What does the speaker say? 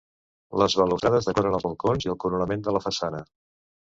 Les balustrades decoren els balcons i el coronament de la façana.